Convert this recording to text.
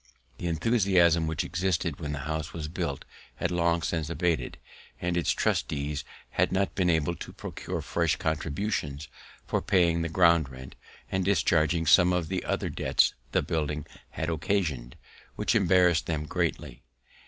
The enthusiasm which existed when the house was built had long since abat'd, and its trustees had not been able to procure fresh contributions for paying the ground rent, and discharging some other debts the building had occasion'd, which embarrass'd them greatly.